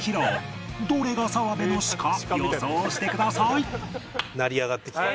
どれが澤部の詞か予想してください